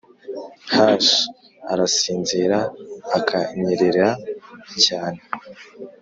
hush! arasinzira, akanyerera cyane,